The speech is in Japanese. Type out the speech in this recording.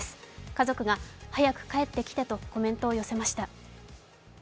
家族が早く帰ってきてとコメントを寄せました。